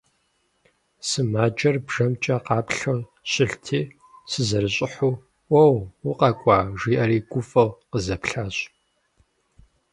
Сымаджэр бжэмкӀэ къаплъэу щылъти, сызэрыщӀыхьэу «Уо, укъэкӀуа!» жиӀэри гуфӀэу къызэплъащ.